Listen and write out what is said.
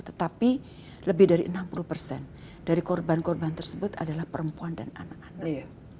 tetapi lebih dari enam puluh persen dari korban korban tersebut adalah perempuan dan anak anak